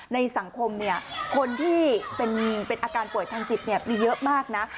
ในสังคมคนที่เป็นอาการป่วยทางจิตมีเยอะมากนะ